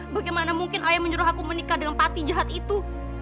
bagaimana mungkin ayah menyuruh aku menikah dengan pati jahat itu